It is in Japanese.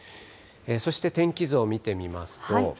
そして天気図を見てみますと。